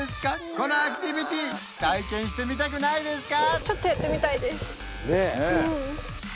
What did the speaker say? このアクティビティ体験してみたくないですか？